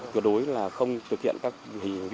tựa đối là không thực hiện các hình